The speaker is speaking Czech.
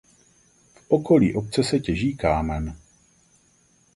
V okolí obce se těží kámen.